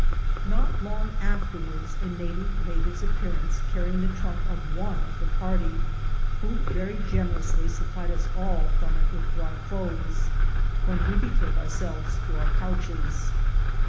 Not long afterwards a native made his appearance, carrying the trunk of one of the party, who very gener ously supplied us all from it with dry clothes, when we betook ourselves to our couches.